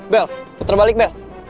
bel puter balik bel